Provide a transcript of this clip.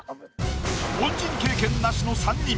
凡人経験なしの３人。